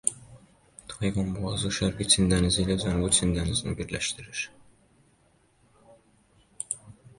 Tayvan boğazı Şərqi Çin dənizi ilə Cənubi Çin dənizini birləşdirir.